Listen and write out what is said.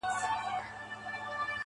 دا خو ددې لپاره~